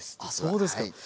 あそうですか。